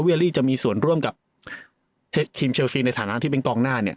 ลี่จะมีส่วนร่วมกับทีมเชลซีในฐานะที่เป็นกองหน้าเนี่ย